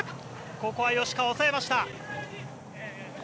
ここは吉川、抑えました。